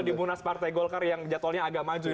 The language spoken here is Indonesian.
di munas partai golkar yang jadwalnya agak maju ya